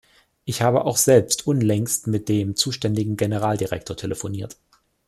Ich habe auch selbst unlängst mit dem zuständigen Generaldirektor telefoniert.